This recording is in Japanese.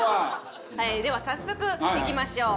では早速いきましょう。